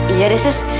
iya deh sus